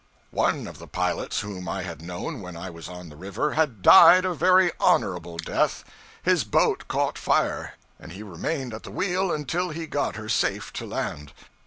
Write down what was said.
One of the pilots whom I had known when I was on the river had died a very honorable death. His boat caught fire, and he remained at the wheel until he got her safe to land.